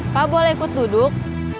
pak boleh ikut duduk